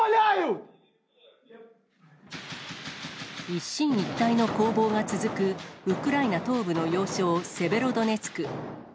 一進一退の攻防が続く、ウクライナ東部の要衝セベロドネツク。